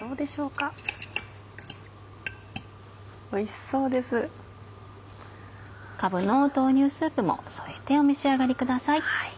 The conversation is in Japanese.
かぶの豆乳スープも添えてお召し上がりください。